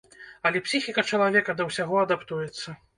Але псіхіка чалавека да ўсяго адаптуецца.